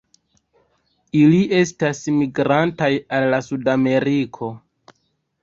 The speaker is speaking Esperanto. Ili estas migrantaj al Sudameriko.